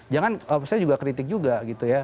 jangan saya juga kritik juga gitu ya